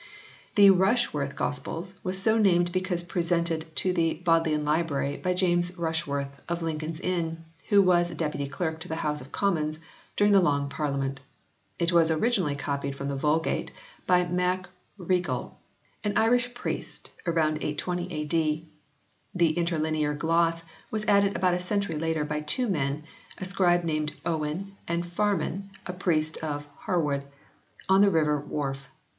The Rushworth Gospels was so named because presented to the Bodleian Library by John Rushworth of Lincoln s Inn, who was deputy clerk to the House of Commons during the Long Parliament. It was originally copied from the Vulgate by Mac Regol, an Irish priest, about 820 A.D. The interlinear gloss was added about a century later by two men, a scribe named Owun and Farman a priest of Hare wood on the river Wharfe.